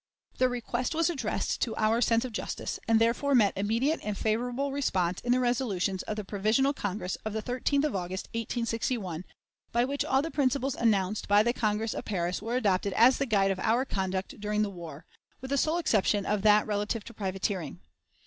The request was addressed to our sense of justice, and therefore met immediate and favorable response in the resolutions of the Provisional Congress of the 13th of August, 1861, by which all the principles announced by the Congress of Paris were adopted as the guide of our conduct during the war, with the sole exception of that relative to privateering.